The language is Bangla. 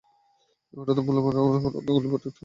ওটা তো মূল্যবান রত্নগুলো প্রোটেক্ট করতেও লাগবে।